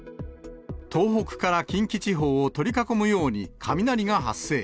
東北から近畿地方を取り囲むように雷が発生。